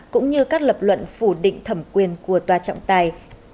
cũng như các lập luận phủ định thẩm quyền của tòa trọng tài